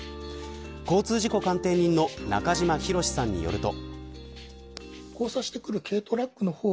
交通事故鑑定人の中島博史さんによると。